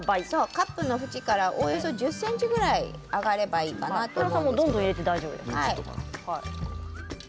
カップから１０ｃｍぐらい上がればいいかと思います。